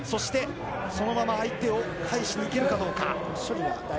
そのまま相手を返しに行けるかどうか。